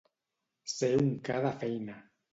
Ser un ca de feina.